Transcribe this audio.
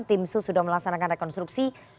tim sus sudah melaksanakan rekonstruksi